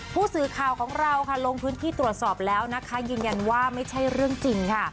ผู้สื่อข่าวของเราค่ะลงพื้นที่ตรวจสอบแล้วนะคะยืนยันว่าไม่ใช่เรื่องจริงค่ะ